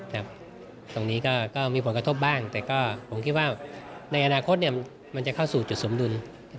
ตรงนี้ก็มีผลกระทบบ้างแต่ก็ผมคิดว่าในอนาคตมันจะเข้าสู่จุดสมดุล